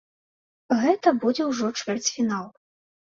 Гэта будзе ўжо чвэрцьфінал.